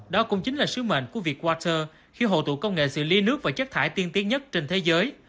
đó cũng chính là sứ mệnh của việt water khi hồ tụ công nghệ xử lý nước và chất thải tiên tiến nhất trên thế giới